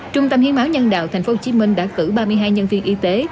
trung tâm hiến máu nhân đạo tp hcm đã cử ba mươi hai nhân viên y tế